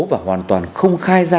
và hoàn toàn không khai ra